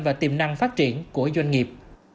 và tiềm năng phát triển của doanh nghiệp